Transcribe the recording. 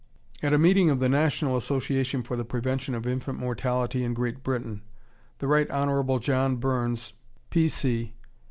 At a meeting of the National Association for the Prevention of Infant Mortality in Great Britain, the Right Honorable John Burns, P. C.